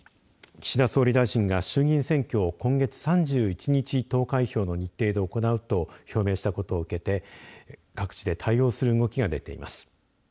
岸田総理大臣が衆議院選挙を今月３１日投開票の日程で行うと表明したことを受けて各地で対応する動きが出ています。